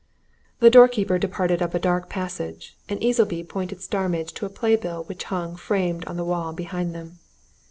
The door keeper departed up a dark passage, and Easleby pointed Starmidge to a playbill which hung, framed on the wall, behind them.